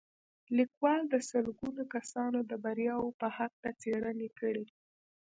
ليکوال د سلګونه کسانو د برياوو په هکله څېړنې کړې.